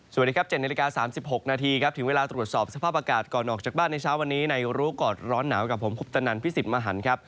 สวัสดีครับ๗นาฬิกา๓๖นาทีครับถึงเวลาตรวจสอบสภาพอากาศก่อนออกจากบ้านในเช้าวันนี้ในรู้ก่อนร้อนหนาวกับผมคุปตนันพิสิทธิ์มหันครับ